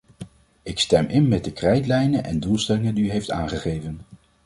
Ik stem in met de krijtlijnen en doelstellingen die u heeft aangegeven.